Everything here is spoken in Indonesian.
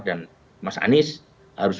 dan mas anies harus